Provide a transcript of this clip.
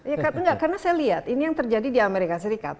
ya enggak karena saya lihat ini yang terjadi di amerika serikat